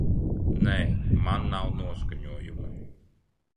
Nē, man nav noskaņojuma.